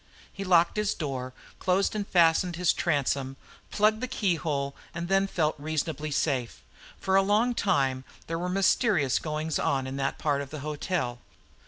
He locked his door, closed and fastened his transom, plugged the keyhole and then felt reasonably safe. For a long time there were mysterious goings on in that part of the hotel.